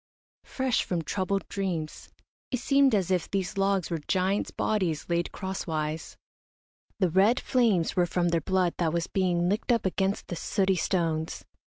Fresh from troubled dreams, it seemed as if these logs were giants' bodies laid crosswise. The red flames were from their blood that was being licked up against the sooty stones.